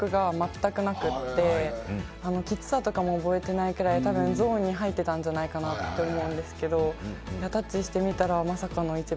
きつさとかも覚えてないくらい多分ゾーンに入ってたんじゃないかなって思うんですけど。